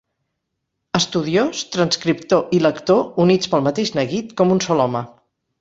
Estudiós, transcriptor i lector units pel mateix neguit, com un sol home.